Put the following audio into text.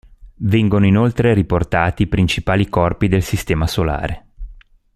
Vengono inoltre riportati i principali corpi del sistema solare.